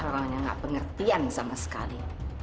susah orangnya gak pengertian sama sekali